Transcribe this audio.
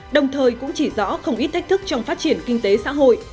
đồng thời cũng chỉ rõ không ít thách thức trong phát triển kinh tế xã hội